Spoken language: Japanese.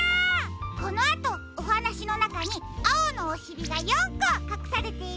このあとおはなしのなかにあおのおしりが４こかくされているよ。